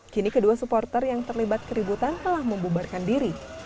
kini kedua supporter yang terlibat keributan telah membubarkan diri